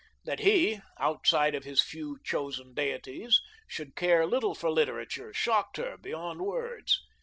That he outside of his few chosen deities should care little for literature, shocked her beyond words.